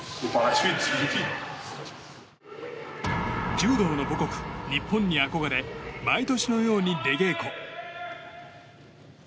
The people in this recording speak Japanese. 柔道の母国・日本に憧れ毎年のように出稽古。